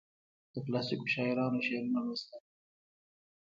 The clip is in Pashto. د کلاسیکو شاعرانو شعرونه لوستل.